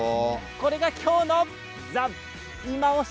これが今日のいまオシ！